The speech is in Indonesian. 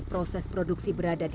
proses produksi berada di dalam sel